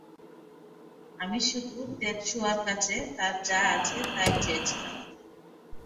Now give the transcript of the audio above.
আমি শুধু তেতসুয়ার কাছে তার যা আছে তাই চেয়েছিলাম।